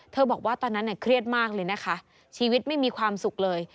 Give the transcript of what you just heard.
บอกว่าตอนนั้นเครียดมากเลยนะคะชีวิตไม่มีความสุขเลย